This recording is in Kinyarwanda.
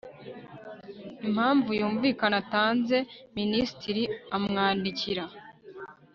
impamvu yumvikana atanze minisitiri amwandikira